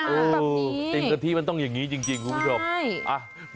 อู๋ไอติมกะทิมันต้องอย่างงี้จริงคุณผู้ชม